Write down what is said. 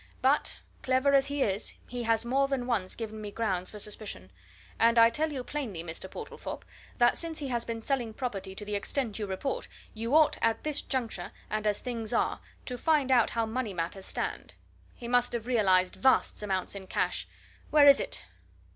But, clever as he is, he has more than once given me grounds for suspicion. And I tell you plainly, Mr. Portlethorpe, that since he has been selling property to the extent you report, you ought, at this juncture, and as things are, to find out how money matters stand. He must have realized vast amounts in cash! Where is it!"